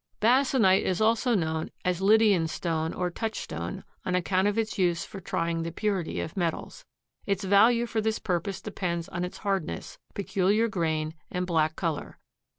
Basanite is also known as Lydian stone or touchstone on account of its use for trying the purity of metals. Its value for this purpose depends on its hardness, peculiar grain and black color.